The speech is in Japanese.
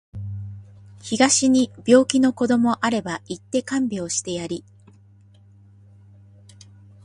東に病気の子どもあれば行って看病してやり